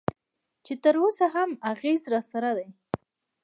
چې تراوسه یې هم اغېز راسره دی.